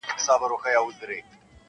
• تر دې ځایه پوري نه سو موږ راتللای -